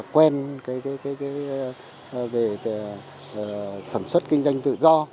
quen về sản xuất kinh doanh tự do